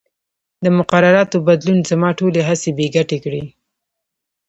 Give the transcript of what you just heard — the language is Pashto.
د مقرراتو بدلون زما ټولې هڅې بې ګټې کړې.